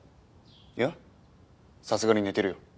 いやさすがに寝てるよ。